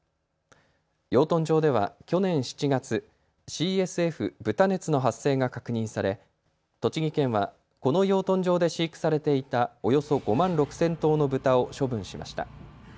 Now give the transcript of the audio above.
養豚場では去年７月、ＣＳＦ、豚熱の発生が確認され栃木県はこの養豚場で飼育されていたおよそ５万６０００頭のブタを処分しました。